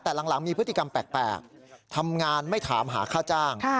แต่หลังมีพฤติกรรมแปลกทำงานไม่ถามหาค่าจ้าง